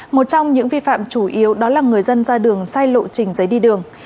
một trong những vi phạm chủ yếu đó là người dân ra đường sai lộ trình giấy đi đường